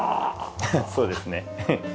そうですね。